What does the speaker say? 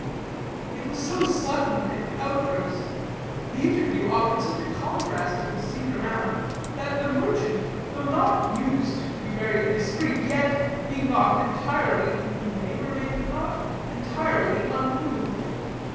It was so sudden an outburst; the interview offered such a contrast to the scene around, that the merchant, though not used to be very indiscreet, yet, being not entirely inhumane, remained not entirely unmoved.